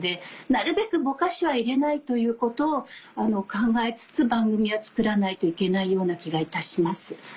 なるべくぼかしは入れないということを考えつつ番組は作らないといけないような気がいたします。